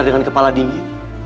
dengan kepala dingin